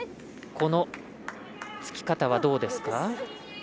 このつき方はどうですか。